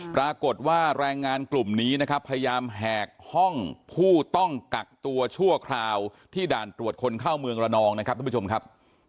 รายงานกลุ่มนี้นะครับพยายามแหกห้องผู้ต้องกักตัวชั่วคราวที่ด่านตรวจคนเข้าเมืองระนองนะครับท่านผู้ชมครับ